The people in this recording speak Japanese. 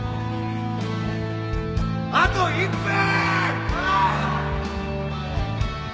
あと１分！！